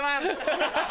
ハハハ！